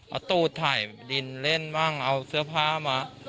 เอาตูดถ่ายดินเล่นบ้างเอาเสื้อผ้ามา